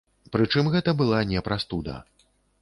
Прычым, гэта была не прастуда.